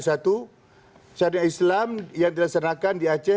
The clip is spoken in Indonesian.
syariah islam yang dilaksanakan di aceh